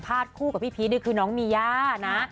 แล้วก็พี่เขาก็แบบเริ่มคิดแล้วว่าแบบ